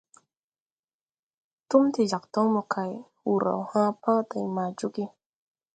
Túm de jag toŋ mo kay, wur raw hãã pãã day ma jooge.